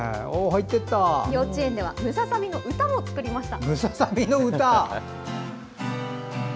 幼稚園ではムササビの歌も作りました。